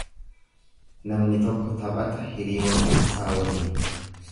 Namni tokko taphata hiriyoota isaa waliin.